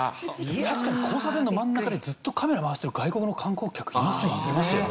確かに交差点の真ん中でずっとカメラ回してる外国の観光客いますもんね。